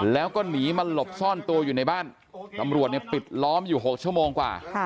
แล้วก็หนีมาหลบซ่อนตัวอยู่ในบ้านตำรวจเนี่ยปิดล้อมอยู่๖ชั่วโมงกว่า